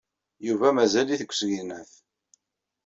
Yuba mazal-it deg usegnaf.